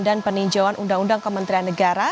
dan peninjauan undang undang kementerian negara